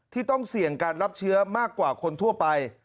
ต้องเสี่ยงการรับเชื้อมากกว่าคนทั่วไป